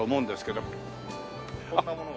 こんなものが。